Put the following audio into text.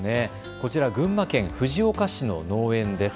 こちら群馬県藤岡市の農園です。